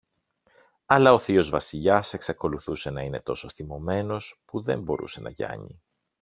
Αλλά ο θείος Βασιλιάς εξακολουθούσε να είναι τόσο θυμωμένος, που δεν μπορούσε να γιάνει.